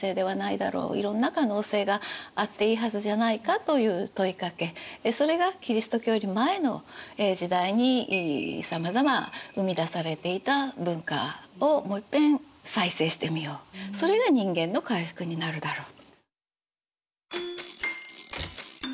いろんな可能性があっていいはずじゃないかという問いかけそれがキリスト教より前の時代にさまざま生み出されていた文化をもういっぺん再生してみようそれが人間の回復になるだろうと。